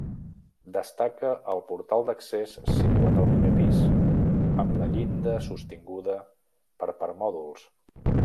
Destaca el portal d'accés situat al primer pis, amb la llinda sostinguda per permòdols.